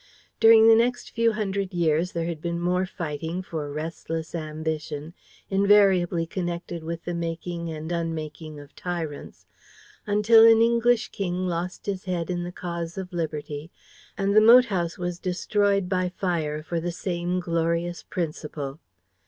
During the next few hundred years there had been more fighting for restless ambition, invariably connected with the making and unmaking of tyrants, until an English king lost his head in the cause of Liberty, and the moat house was destroyed by fire for the same glorious principle.